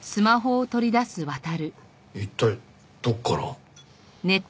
一体どこから。